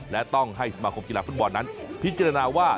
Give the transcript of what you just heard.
และต้องให้สมาคมกีฬาฟุตบอลนั้นพิจารณาว่า